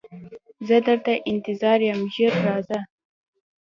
زه درته انتظار یم ژر راځه